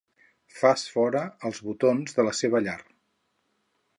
Fas fora els botons de la seva llar.